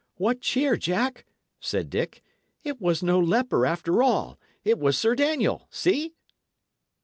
"What cheer, Jack!" said Dick. "It was no leper, after all; it was Sir Daniel! See!"